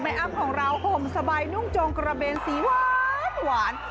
แม่อ้ำของเราห่มสบายโจงกระเบงสีหวาน